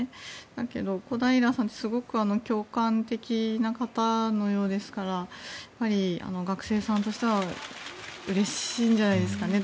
だけど、小平さんってすごく共感的な方のようですから学生さんとしてはうれしいんじゃないですかね。